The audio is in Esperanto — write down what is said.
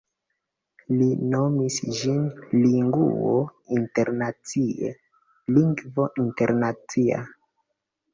li nomis ĝin Linguo internacie, lingvo internacia.